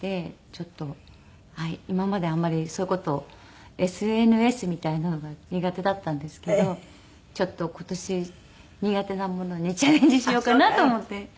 今まであんまりそういう事ＳＮＳみたいなのが苦手だったんですけどちょっと今年苦手なものにチャレンジしようかなと思って始めました。